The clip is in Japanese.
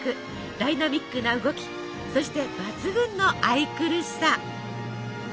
ダイナミックな動きそして抜群の愛くるしさ。